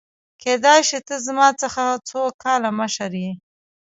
کيدای شي ته زما څخه څو کاله مشر يې !؟